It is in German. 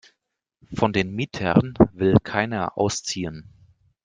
Von den Mietern will keiner ausziehen.